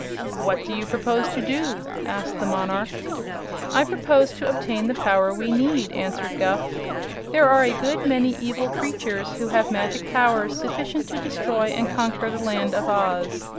"What do you propose to do?" asked the monarch. "I propose to obtain the power we need," answered Guph. "There are a good many evil creatures who have magic powers sufficient to destroy and conquer the Land of Oz.